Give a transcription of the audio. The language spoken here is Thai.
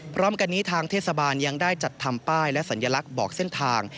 พร้อมกันนี้ทางเทศบาลยังได้จัดทำป้ายและสัญลักษณ์บอกเส้นทาง